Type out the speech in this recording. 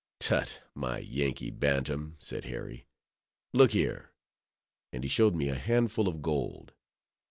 "Tut! my Yankee bantam," said Harry; "look here!" and he showed me a handful of gold.